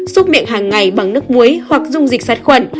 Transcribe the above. xúc miệng hàng ngày bằng nước muối hoặc dung dịch sát khuẩn